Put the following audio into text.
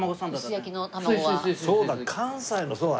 そうだ。